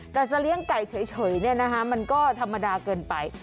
แต่จะเลี้ยงไก่เฉยเนี่ยนะฮะมันก็ธรรมดาเกินไป